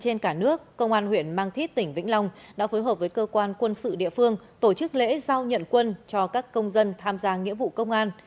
trên cả nước công an huyện mang thít tỉnh vĩnh long đã phối hợp với cơ quan quân sự địa phương tổ chức lễ giao nhận quân cho các công dân tham gia nghĩa vụ công an